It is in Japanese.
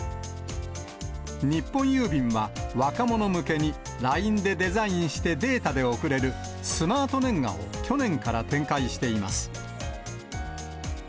日本郵便は、若者向けにＬＩＮＥでデザインしてデータで送れるスマートねんがを去年から展開しています。